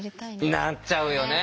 なっちゃうよね。